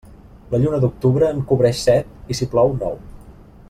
La lluna d'octubre en cobreix set, i si plou, nou.